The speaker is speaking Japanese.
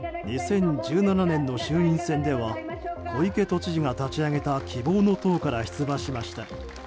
２０１７年の衆院選では小池都知事が立ち上げた希望の党から出馬しました。